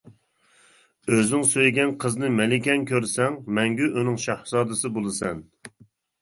ئۆزۈڭ سۆيگەن قىزنى مەلىكەڭ كۆرسەڭ، مەڭگۈ ئۇنىڭ شاھزادىسى بولىسەن!